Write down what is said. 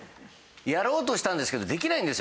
やろうとしたんですけどできないんですよね